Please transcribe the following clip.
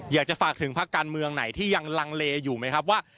อยากจะฝากถึงพักการเมืองไหนที่ยังลังเลอยู่ไหมครับว่า